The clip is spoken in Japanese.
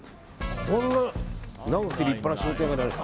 こんな長くて立派な商店街なのに。